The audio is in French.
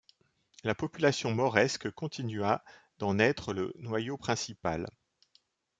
La population mauresque continua d'en être le noyau principal.